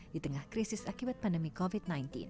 di tengah krisis akibat pandemi covid sembilan belas